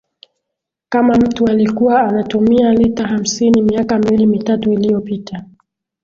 kama mtu alikuwa anatumia lita hamsini miaka miwili mitatu iliopita